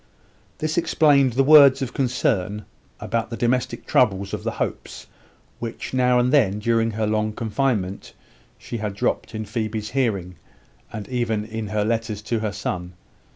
This explained the words of concern about the domestic troubles of the Hopes, which, now and then during her long confinement, she had dropped in Phoebe's hearing, and even in her letters to her son.